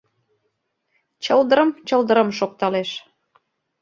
Чылдырым-чылдырым шокталеш